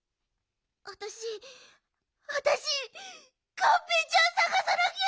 あたしあたしがんぺーちゃんさがさなきゃ！